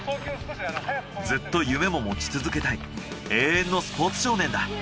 ずっと夢も持ち続けたい永遠のスポーツ少年だ。